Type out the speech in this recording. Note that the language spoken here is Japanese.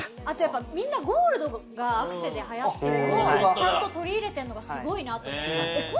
あとみんなゴールドがアクセで流行ってるのをちゃんと取り入れてんのがすごいなと思って。